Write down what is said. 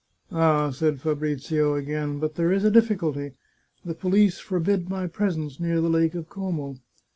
" Ah," said Fabrizio again, " but there is a difficulty — the police forbid my presence near the Lake of Como.